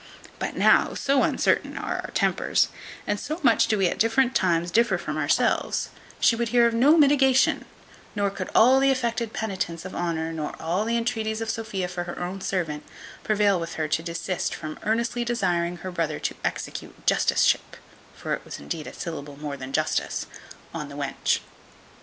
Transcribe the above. But now, so uncertain are our tempers, and so much do we at different times differ from ourselves, she would hear of no mitigation; nor could all the affected penitence of Honour, nor all the entreaties of Sophia for her own servant, prevail with her to desist from earnestly desiring her brother to execute justiceship (for it was indeed a syllable more than justice) on the wench.